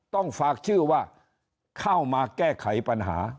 ต้องฝากชื่อว่าเข้ามาแก้ไขปัญหา